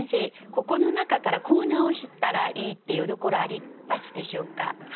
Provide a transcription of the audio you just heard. ここの中からこう直したらいいっていうところありますでしょうか？